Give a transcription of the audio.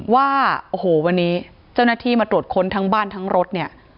ว่าโอ้โหวันนี้เจ้าหน้าที่มาตรวจค้นทั้งบ้านทั้งรถเนี่ย